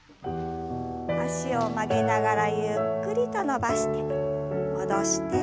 脚を曲げながらゆっくりと伸ばして戻して。